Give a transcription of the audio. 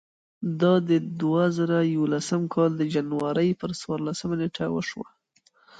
دا د دوه زره یولسم کال د جنورۍ پر څوارلسمه نېټه وشوه.